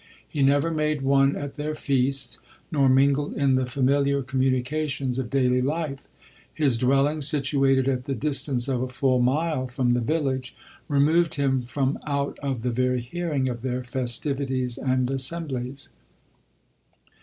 He never made one at their feasts, nor mingled in the familiar communications of daily life; his dwelling, situated at the distance of a full mile from the village, removed him from out of the very hearing of their festivities and assemblies.